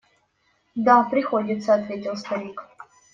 – Да, приходится, – ответил старик.